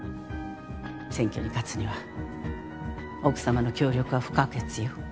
選挙に勝つには奥様の協力は不可欠よ。